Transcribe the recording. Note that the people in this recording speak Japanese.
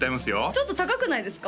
ちょっと高くないですか？